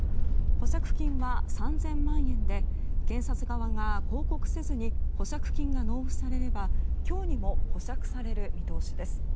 保釈金は３０００万円で検察側が抗告せずに保釈金が納付されれば今日にも保釈される見通しです。